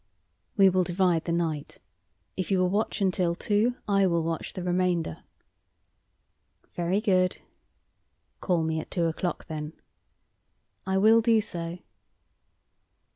"We will divide the night. If you will watch until two, I will watch the remainder." "Very good." "Call me at two o'clock, then." "I will do so."